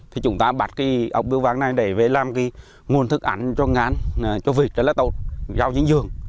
thì chúng ta bắt cái ốc bưu vàng này để làm cái nguồn thức ảnh cho ngán cho vịt cho lá tột giao dưỡng dường